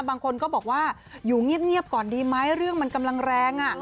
บางคนก็บอกว่าอยู่เงียบก่อนดีไหมเรื่องมันกำลังแรง